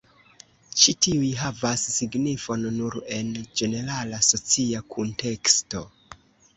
Ĉi tiuj havas signifon nur en ĝenerala socia kunteksto.